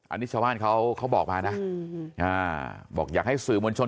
อันนี้ชาวบ้านเขาบอกมานะบอกอยากให้สื่อมวลชน